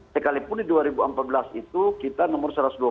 sekalipun di dua ribu empat belas itu kita nomor satu ratus dua puluh